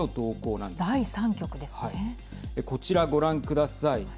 こちら、ご覧ください。